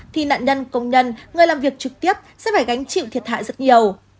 thì nạn nhân công nhân người làm việc trực tiếp sẽ phải gánh chịu thiệt hại rất nhiều